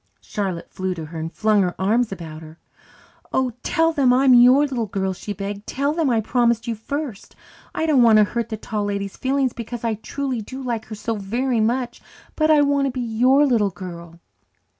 Charlotte flew to her and flung her arms about her. "Oh, tell them I am your little girl!" she begged. "Tell them I promised you first. I don't want to hurt the Tall Lady's feelings because I truly do like her so very much. But I want to be your little girl."